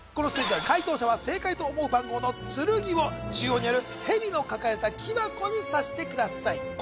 このステージでは解答者は正解と思う番号の剣を中央にあるヘビの描かれた木箱に刺してください